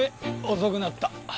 遅くなった。